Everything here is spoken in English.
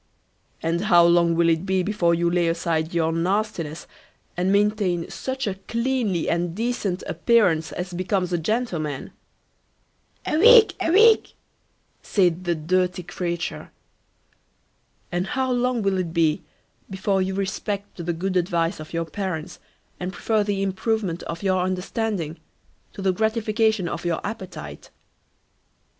"And how long will it be before you lay aside your nastiness, and maintain such a cleanly and decent appearance as becomes a gentleman?" A week, a week, said the dirty creature. "And how long will it be before you respect the good advice of your parents, and prefer the improvement of your understanding to the gratification of your appetite?"